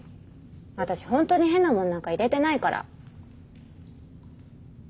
私ほんとに変なものなんか入れてないから。